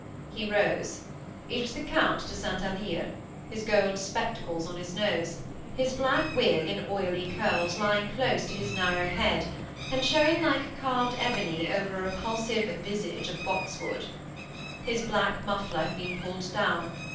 He rose. It was the Count de St. Alyre, his gold spectacles on his nose; his black wig, in oily curls, lying close to his narrow head, and showing like carved ebony over a repulsive visage of boxwood. His black muffler had been pulled down.